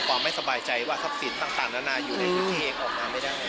ความไม่สบายใจว่าทัศิษฐ์ต่างในจุดเองออกมาไม่ได้